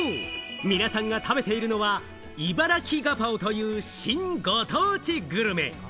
皆さんが食べているのは、いばらきガパオという新ご当地グルメ。